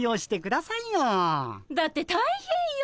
だって大変よ。